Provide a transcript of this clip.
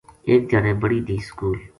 ایک دھیاڑے بڑی دھی سکول